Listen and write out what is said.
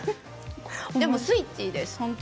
でもスイッチです。